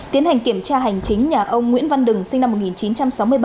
tiến hành kiểm tra hành chính nhà ông nguyễn văn đính sinh năm một nghìn chín trăm sáu mươi ba